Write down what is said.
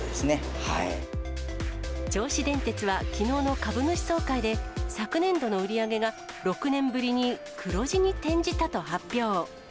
銚子電鉄は、きのうの株主総会で昨年度の売り上げが６年ぶりに黒字に転じたと発表。